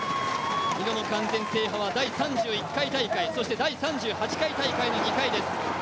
２度の完全制覇は第３１回大会、そして第３８回大会の２回です。